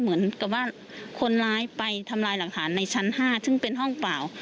เหมือนกับว่าคนร้ายไปทำลายหลักฐานในชั้น๕ซึ่งเป็นห้องเปล่า